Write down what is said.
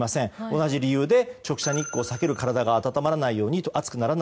同じ理由で直射日光を避ける、体が熱くならないようにと。